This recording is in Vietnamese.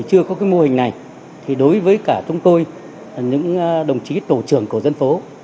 trước mô hình này đối với cả chúng tôi những đồng chí tổ trưởng của dân phố